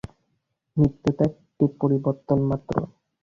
মৃত্যু তো একটি পরিবর্তন মাত্র।